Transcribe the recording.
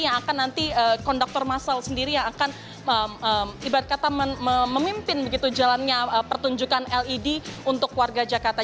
yang akan nanti konduktor masal sendiri yang akan ibarat kata memimpin begitu jalannya pertunjukan led untuk warga jakarta